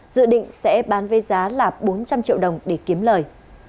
dự định sẽ bán với giá là bốn trăm linh triệu đồng để kiếm lời